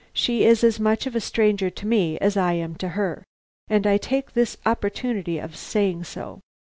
She is as much of a stranger to me as I am to her, and I take this opportunity of saying so.